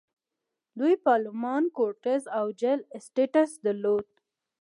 دوی پارلمان، کورټس او جل اسټټس درلودل.